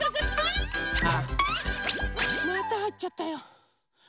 またはいっちゃったよ。